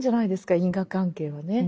因果関係はね。